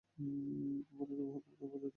মোরেনা মহকুমায় মোরেনা-ই তহশিল এবং ব্লক।